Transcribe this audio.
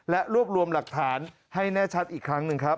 และรวบรวมหลักฐานให้แน่ชัดอีกครั้งหนึ่งครับ